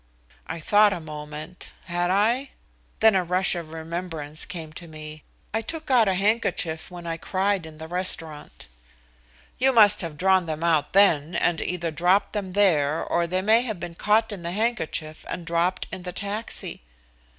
I thought a moment. Had I? Then a rush of remembrance came to me. "I took out a handkerchief when I cried in the restaurant." "You must have drawn them out then, and either dropped them there, or they may have been caught in the handkerchief and dropped in the taxi."